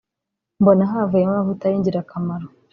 mbona havuyemo amavuta y’ingirakamaro